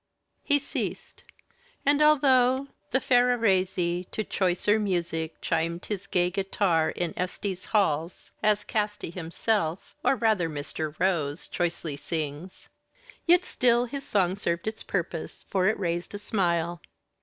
He ceased; and although " the Ferrarese To choicer music chimed his gay guitar In Este's halls," as Casti himself, or rather Mr. Rose, choicely sings, yet still his song served its purpose, for it raised a smile.